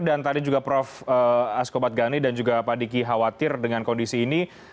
dan tadi juga prof asko badgani dan juga pak diki khawatir dengan kondisi ini